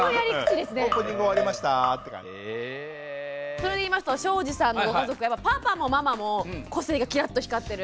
それで言いますと庄司さんのご家族やっぱパパもママも個性がキラッと光ってる。